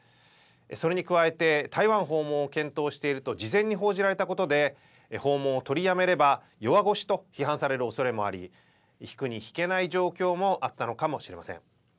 それに加えて、台湾訪問を検討していると事前に報じられたことで、訪問を取りやめれば弱腰と批判されるおそれもあり、引くに引けない状況もあったのかもしれません。